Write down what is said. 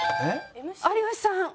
有吉さん。